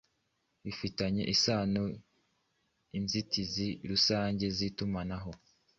Bifitanye iano Inzitizi ruange zitumanaho